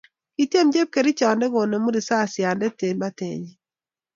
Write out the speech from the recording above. kityem chepkerichonde konemu risasiande eng batenyin